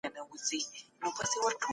احمد شاه ابدالي واليان څنګه ټاکل؟